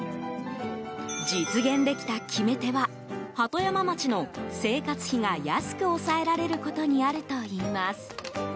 実現できた決め手は鳩山町の生活費が安く抑えられることにあるといいます。